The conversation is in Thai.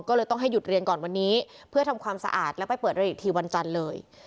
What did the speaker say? ก็เลยต้องให้หยุดเรียนก่อนวันนี้เพื่อทำความสะอาดแล้วไปเปิดเรียนอีกทีวันจันทร์เลย